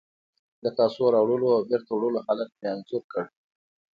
د کاسو راوړلو او بیرته وړلو حالت مې انځور کړ.